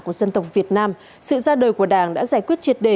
của dân tộc việt nam sự ra đời của đảng đã giải quyết triệt đề